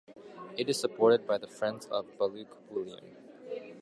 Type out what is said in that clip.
It is supported by the Friends Of Baluk Willam.